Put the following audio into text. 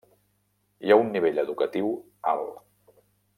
Hi ha un nivell educatiu alt.